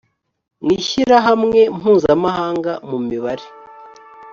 w ishyirahamwe mpuzamahanga mu mibare